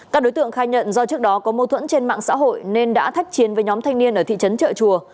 các đối tượng khai nhận do trước đó có mâu thuẫn trên mạng xã hội nên đã thách chiến với nhóm thanh niên ở thị trấn trợ chùa